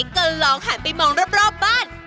ก็ลองหันไปมองรอบบ้าน